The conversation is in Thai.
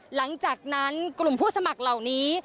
หลังจากนั้นกลุ่มผู้สมัครเหล่านี้